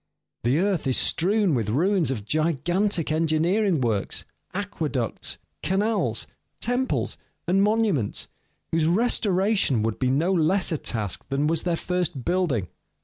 The earth is strewn with ruins of gigantic engineering works, aqueducts, canals, temples, and monuments, whose restoration would be no less a task than was their first building.